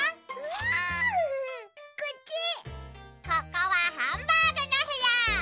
ここはハンバーグのへや！